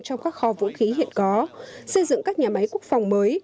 trong các kho vũ khí hiện có xây dựng các nhà máy quốc phòng mới